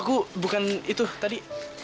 aku bukan itu tadi